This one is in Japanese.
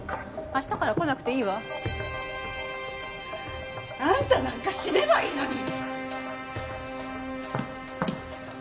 明日から来なくていいわ。あんたなんか死ねばいいのに！